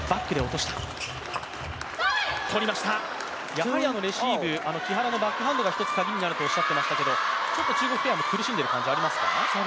やはりレシーブ、木原のバックハンドが一つカギになるとおっしゃっていましたけどちょっと中国ペアも苦しんでいる感じありますか？